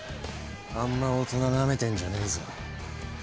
あんま大人なめてんじゃねえぞ。